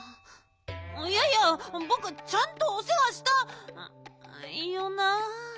いやいやぼくちゃんとおせわした！よな？